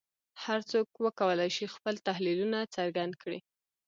هر څوک وکولای شي خپل تحلیلونه څرګند کړي